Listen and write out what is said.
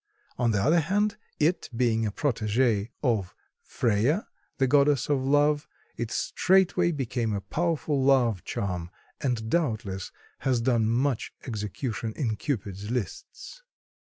On the other hand, it being a protege of Freya, the goddess of Love, it straightway became a powerful love charm, and doubtless has done much execution in Cupid's lists.